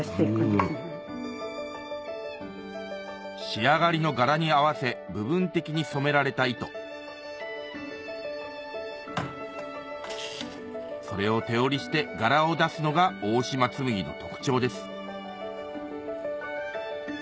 仕上がりの柄に合わせ部分的に染められた糸それを手織りして柄を出すのが大島紬の特徴です